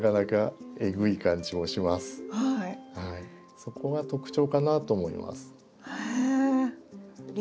そこが特徴かなと思います。